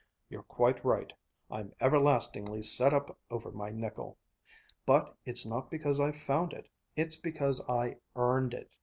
You're quite right I'm everlastingly set up over my nickel. But it's not because I found it. It's because I earned it.